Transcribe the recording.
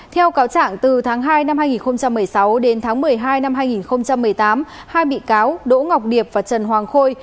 theo cáo trạng từ tháng hai năm hai nghìn một mươi sáu đến tháng một mươi hai năm hai nghìn một mươi tám hai bị cáo đỗ ngọc điệp và trần hoàng khôi